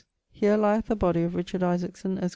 'Here lyeth the body of Richard Isaacson, esq.